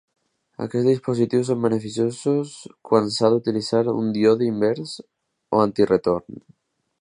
Aquests dispositius són beneficiosos quan s'ha d'utilitzar un díode invers o antiretorn.